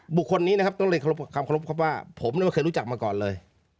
บุคคลนี้นะครับต้องเรียนความเคารพครับว่าผมไม่เคยรู้จักมาก่อนเลย